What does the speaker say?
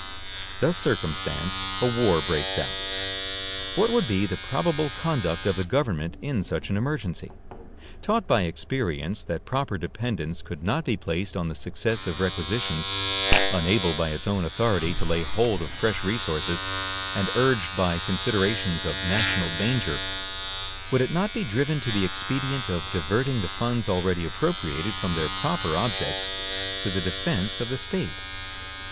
Thus circumstanced, a war breaks out. What would be the probable conduct of the government in such an emergency? Taught by experience that proper dependence could not be placed on the success of requisitions, unable by its own authority to lay hold of fresh resources, and urged by considerations of national danger, would it not be driven to the expedient of diverting the funds already appropriated from their proper objects to the defense of the State?